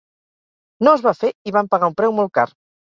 No es va fer i vam pagar un preu molt car.